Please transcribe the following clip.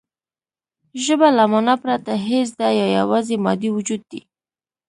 ژبه له مانا پرته هېڅ ده یا یواځې مادي وجود دی